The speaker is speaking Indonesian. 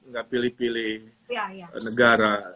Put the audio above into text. nggak pilih pilih negara